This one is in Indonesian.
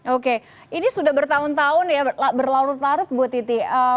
oke ini sudah bertahun tahun ya berlarut larut bu titi